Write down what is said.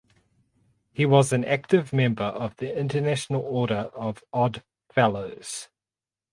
He was an active member of the International Order of Odd Fellows.